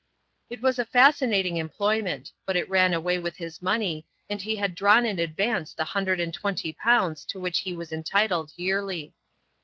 It was a fascinating employment, but it ran away with his money, and he had drawn in advance the hundred and twenty pounds to which he was entitled yearly.